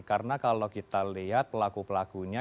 karena kalau kita lihat pelaku pelakunya